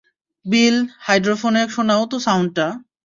বিল, হাইড্রোফোনে শোনাও তো সাউন্ডটা।